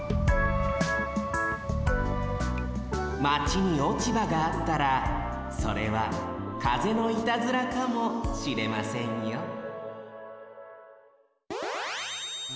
マチに落ち葉があったらそれは風のいたずらかもしれませんよ